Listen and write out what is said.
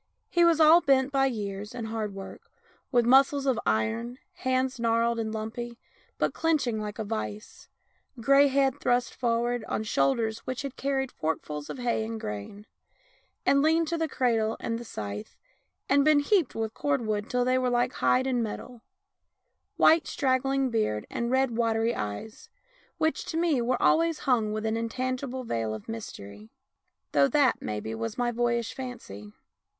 He was all bent by years and hard work, with muscles of iron, hands gnarled and lumpy, but clinching like a vice; grey head thrust for ward on shoulders which had carried forkfuls of hay and grain, and leaned to the cradle and the scythe, and been heaped with cordwood till they were like hide and metal ; white straggling beard and red watery eyes, which, to me, were always hung with an intangible veil of mystery — though that, maybe, was my boyish fancy.